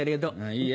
いいえ。